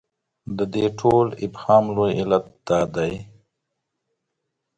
د دې ټول ابهام لوی علت دا دی.